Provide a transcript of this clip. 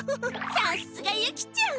さっすがユキちゃん！